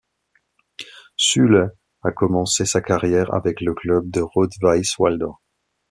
Süle a commencé sa carrière avec le club de Rot-Weiß Walldorf.